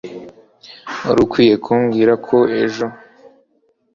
wari ukwiye kumbwira ko ejo